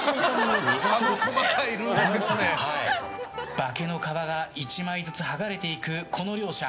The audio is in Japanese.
化けの皮が１枚ずつ剥がれていくこの両者。